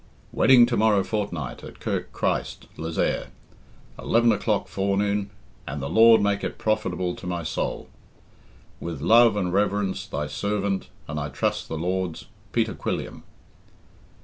Wedding to morrow fortnight at Kirk Christ, Lezayre, eleven o'clock forenoon, and the Lord make it profitable to my soul. With love and reverence, thy servant, and I trust the Lord's, Peter Quilliam."